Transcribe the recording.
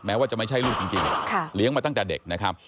ว่าจะไม่ใช่ลูกจริงเลี้ยงมาตั้งแต่เด็กนะครับ